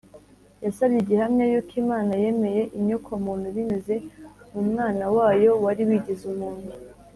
Yasabye igihamya yuko Imana yemeye inyokomuntu binyuze mu mwana wayo wari wigize umuntu